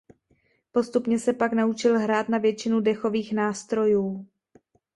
Postupně se pak naučil hrát na většinu dechových nástrojů.